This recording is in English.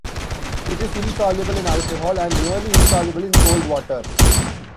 It is insoluble in alcohol, and nearly insoluble in cold water.